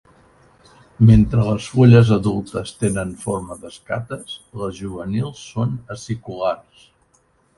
Mentre les fulles adultes tenen forma d'escates les juvenils són aciculars.